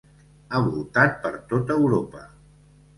Ha voltat per tot Europa.